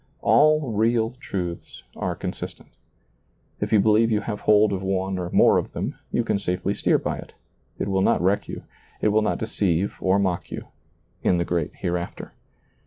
All real truths are consistent. If you believe you have hold of one or more of them, you can safely steer by it; it will not wreck you, it will not deceive or mock you — in the great Hereafter.